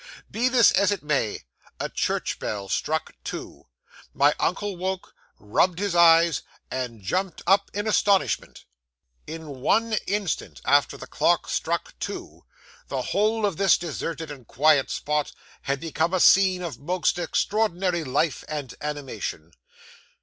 'Be this as it may, a church bell struck two. My uncle woke, rubbed his eyes, and jumped up in astonishment. 'In one instant, after the clock struck two, the whole of this deserted and quiet spot had become a scene of most extraordinary life and animation.